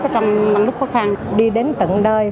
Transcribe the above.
trong lúc khó khăn đi đến tận đời